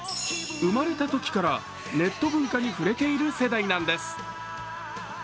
生まれたときからネット文化に触れている世代なんです。